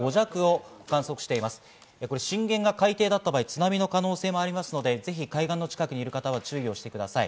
震源が海底だった場合、津波の可能性もありますので、海岸の近くにいる方は注意をしてください。